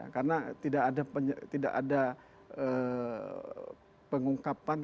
karena tidak ada pengungkapan